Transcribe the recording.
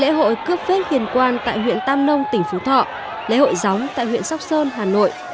lễ hội cướp phết hiền quan tại huyện tam nông tỉnh phú thọ lễ hội gióng tại huyện sóc sơn hà nội